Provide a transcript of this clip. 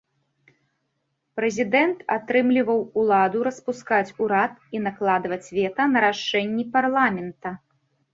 Прэзідэнт атрымліваў ўлада распускаць урад і накладаць вета на рашэнні парламента.